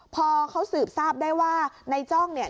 พอเขาสืบทราบได้ว่าในจ้องเนี่ย